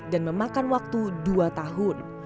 dan memakan waktu dua tahun